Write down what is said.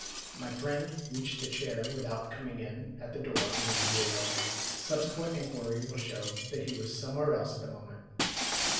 My friend reached the chair without coming in at the door in the usual way; subsequent inquiry will show that he was somewhere else at the moment.